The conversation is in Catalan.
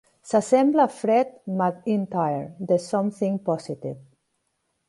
S'assembla a Fred MacIntire de "Something Positive".